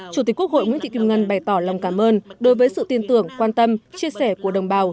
chủ tịch quốc hội nguyễn thị kim ngân bày tỏ lòng cảm ơn đối với sự tin tưởng quan tâm chia sẻ của đồng bào